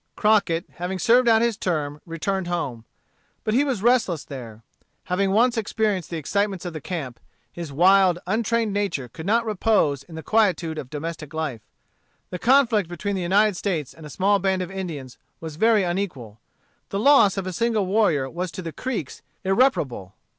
Crockett, having served out his term, returned home. But he was restless there. Having once experienced the excitements of the camp, his wild, untrained nature could not repose in the quietude of domestic life. The conflict between the United States and a small band of Indians was very unequal. The loss of a single warrior was to the Creeks irreparable.